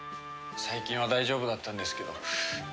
最近は大丈夫だったんですけど。